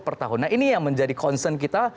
per tahun nah ini yang menjadi concern kita